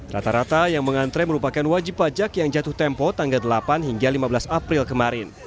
rata rata yang mengantre merupakan wajib pajak yang jatuh tempo tanggal delapan hingga lima belas april kemarin